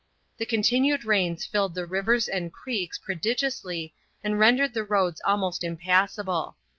The continued rains filled the rivers and creeks prodigiously and rendered the roads almost impassable.